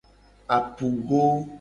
Apugo.